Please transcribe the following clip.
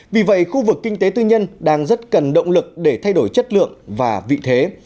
vì vậy khu vực kinh tế tư nhân đang rất cần động lực để thay đổi chất lượng và vị thế